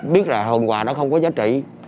biết là hồn quà nó không có giá trị